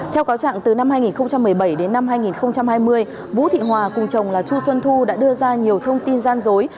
theo cáo trạng từ năm hai nghìn một mươi bảy đến năm hai nghìn hai mươi vũ thị hòa cùng chồng là chu xuân thu đã đưa ra nhiều thông tin gian dối